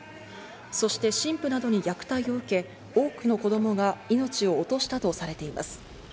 そして、神父などに虐待を受け、多くの子供が命を落としたとされています。